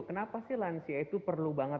kenapa sih lansia itu perlu banget